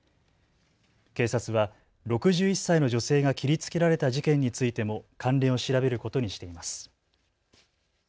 警察は６１歳の女性が切りつけられた事件についても関連を調べることにしています。